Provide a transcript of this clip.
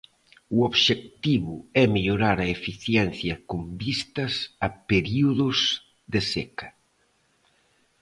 O obxectivo é mellorar a eficiencia con vistas a períodos de seca.